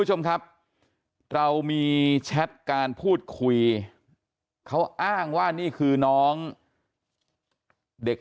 คุณผู้ชมครับเรามีแชทการพูดคุยเขาอ้างว่านี่คือน้องเด็ก